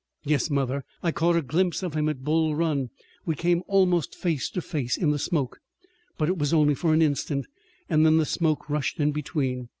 "Yes, mother, I caught a glimpse of him at Bull Run. We came almost face to face in the smoke. But it was only for an instant. Then the smoke rushed in between.